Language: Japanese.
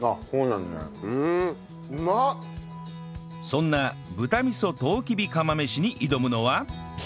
そんな豚味噌とうきび釜飯に挑むのは